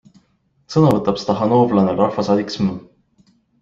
Sõna võtab stahhaanovlane rahvasaadik sm.